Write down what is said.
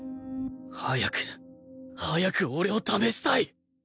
早く早く俺を試したい！